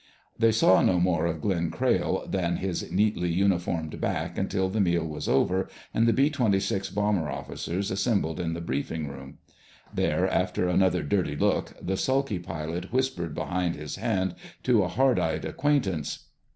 They saw no more of Glenn Crayle than his neatly uniformed back until the meal was over and the B 26 bomber officers assembled in the briefing room. There, after another dirty look, the sulky pilot whispered behind his hand to a hard eyed acquaintance.